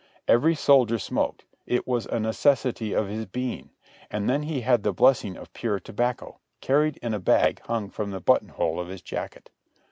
Every soldier smoked; it was a necessity of his being; and then he had the blessing of pure tobacco, carried in a bag hung from the button hole of his jacket.